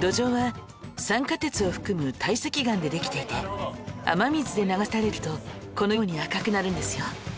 土壌は酸化鉄を含む堆積岩でできていて雨水で流されるとこのように赤くなるんですよ